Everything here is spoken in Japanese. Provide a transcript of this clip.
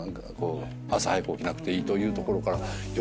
朝早く起きなくていいというところから。